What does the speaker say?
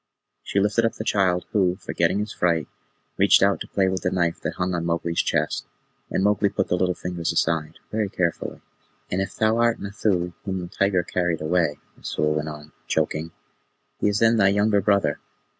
She lifted up the child, who, forgetting his fright, reached out to play with the knife that hung on Mowgli's chest, and Mowgli put the little fingers aside very carefully. "And if thou art Nathoo whom the tiger carried away," Messua went on, choking, "he is then thy younger brother.